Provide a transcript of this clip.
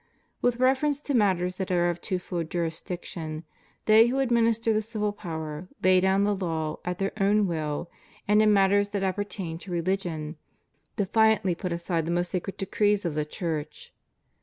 With reference to matters that are of twofold jurisdiction, they who administer the civil power lay down the law at their own will, and in matters that appertain to religion defiantly put aside the most sacred decrees of the Church.